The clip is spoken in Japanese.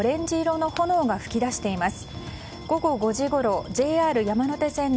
ビルからオレンジ色の炎が噴き出しています。